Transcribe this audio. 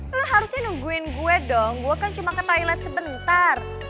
lo harusnya nungguin gue dong gue kan cuma ke toilet sebentar